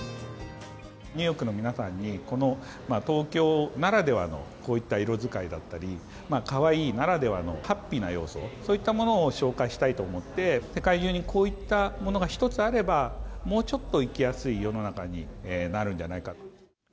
ニューヨークの皆さんに、この東京ならではのこういった色使いだったり、カワイイならではのハッピーな要素、そういったものを紹介したいと思って、世界中に、こういったものが一つあれば、もうちょっと生きやすい世の中になるんじゃないかと。